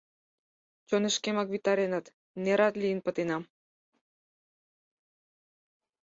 Чонышкемак витареныт, нерат лийын пытенам.